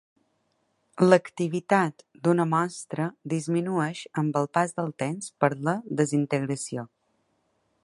L'activitat d'una mostra disminueix amb el pas del temps per la desintegració.